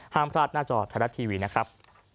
ห้ามพลาดหน้าจอไทยรัฐทีวีนะครับ